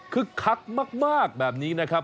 คักมากแบบนี้นะครับ